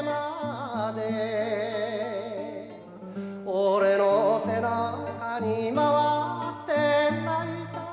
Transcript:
「俺の背中にまわって泣いた」